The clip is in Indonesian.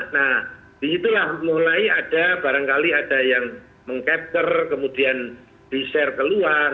nah disitulah mulai ada barangkali ada yang meng capter kemudian di share keluar